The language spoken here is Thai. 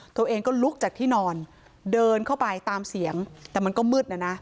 ตัวเองก็ลุกจากที่นอนเดินเข้าไปตามเสียงแต่มันก็มืดนะนะ